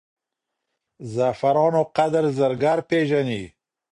زعفرانو قدر زرګر پېژني.